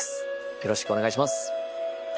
よろしくお願いします。